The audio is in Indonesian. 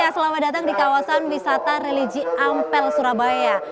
selamat datang di kawasan wisata religi ampel surabaya